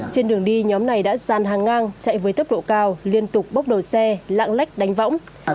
trên đường đi nhóm này đã dàn hàng ngang chạy với tốc độ cao liên tục bốc đầu xe lãng lách đánh võng